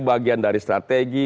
bagian dari strategi